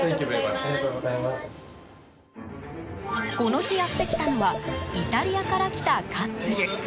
この日やって来たのはイタリアから来たカップル。